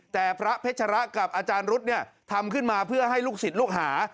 แต่พระเพชรกับอาจารย์รุษทำขึ้นมาเพื่อให้ลูกศิษย์ลูกหา